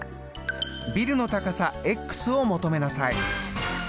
ビルの高さを求めなさい。